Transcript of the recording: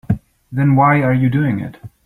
Then why are you doing it?